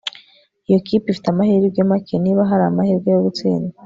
Iyo kipe ifite amahirwe make niba ahari amahirwe yo gutsinda